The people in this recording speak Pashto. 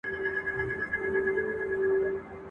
زه د اور په لمبه پایم ماته ما وایه چي سوځې ..